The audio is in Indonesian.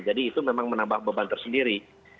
jadi itu memang menambah beban tersendiri